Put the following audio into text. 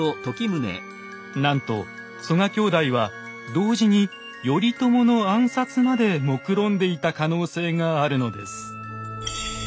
なんと曽我兄弟は同時に頼朝の暗殺までもくろんでいた可能性があるのです。